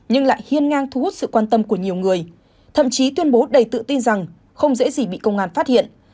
nhưng lại hiên ngang thu hút sự quan tâm của nhiều người thậm chí tuyên bố đầy tự tin rằng không dễ gì bị công an phát hiện